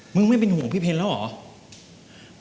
ไม่เป็นห่วงพี่เพชรแล้วเหรอ